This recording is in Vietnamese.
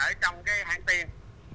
ở trong cái hang tiên